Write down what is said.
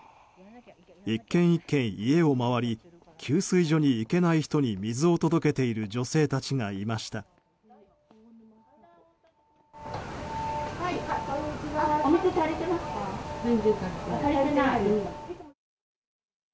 １軒１軒、家を回り給水所に行けない人に水を届けている女性たちがいました。